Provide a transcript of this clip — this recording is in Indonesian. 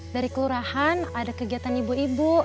dari kelurahan ada kegiatan ibu ibu